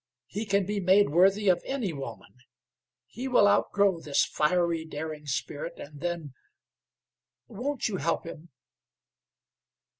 He can be made worthy of any woman. He will outgrow this fiery, daring spirit, and then won't you help him?"